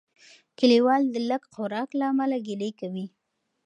کلیوال د لږ خوراک له امله ګیلې کوي.